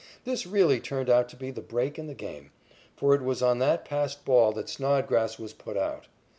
This really turned out to be the "break" in the game, for it was on that passed ball that Snodgrass was put out.